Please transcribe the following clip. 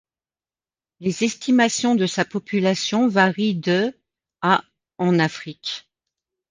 Les estimations de sa population varient de à en Afrique.